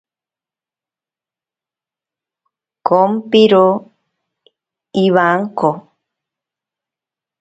Kompiro iwanko.